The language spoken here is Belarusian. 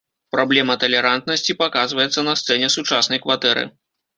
Праблема талерантнасці паказваецца на сцэне сучаснай кватэры.